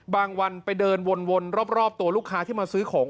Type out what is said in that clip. วันไปเดินวนรอบตัวลูกค้าที่มาซื้อของ